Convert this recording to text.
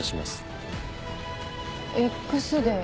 Ｘデー。